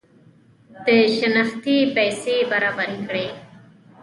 د شنختې پیسې برابري کړي.